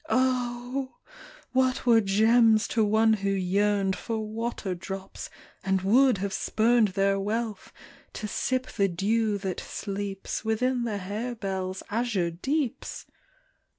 Oh ! what were gems to one who yearned For water drops, and would have spurned Their wealth, to sip the dew that sleeps Within the harebells' azure deeps